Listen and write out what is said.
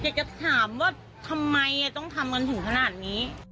อยากจะถามว่าทำไมต้องทำกันถึงขนาดนี้